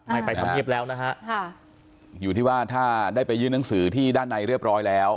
ไปทำเงียบแล้วนะฮะค่ะอยู่ที่ว่าถ้าได้ไปยื่นหนังสือที่ด้านในเรียบร้อยแล้ว